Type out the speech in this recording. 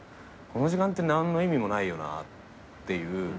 この時間って何の意味もないよなっていう。